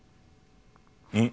うん？